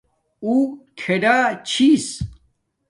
اُݹ کھڑا چِھس